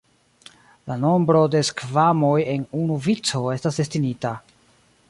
La nombro de skvamoj en unu vico estas destinita.